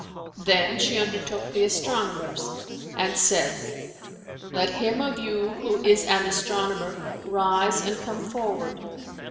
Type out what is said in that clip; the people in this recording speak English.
[FN#414]"—Then she undertook the astronomers and said, "Let him of you who is an astronomer rise and come forward."